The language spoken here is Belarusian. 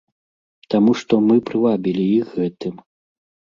Таму што мы прывабілі іх гэтым.